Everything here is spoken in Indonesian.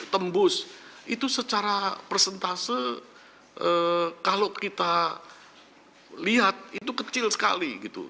tiga belas delapan ratus tembus itu secara persentase kalau kita lihat itu kecil sekali gitu